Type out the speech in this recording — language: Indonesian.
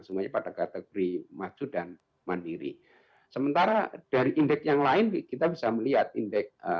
semuanya pada kategori maju dan mandiri sementara dari indeks yang lain kita bisa melihat indeks